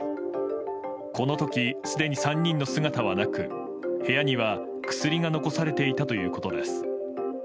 この時すでに３人の姿はなく部屋には薬が残されていたということです。